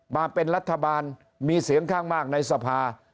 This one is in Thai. มาเป็นรัฐบาลมีเสียงข้างมากในสภา